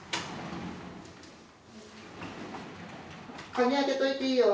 鍵開けといていいよ。